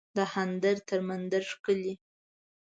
دهاندر تر مندر ښکلی